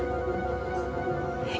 mak mau satu sett